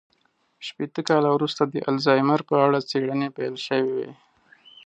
شپېته کاله وروسته د الزایمر په اړه څېړنې پيل شوې وې.